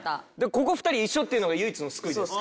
ここ２人一緒っていうのが唯一の救いです。